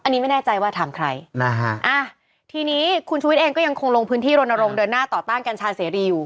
อันนี้ไม่แน่ใจว่าถามใครนะฮะอ่ะทีนี้คุณชุวิตเองก็ยังคงลงพื้นที่รณรงคเดินหน้าต่อต้านกัญชาเสรีอยู่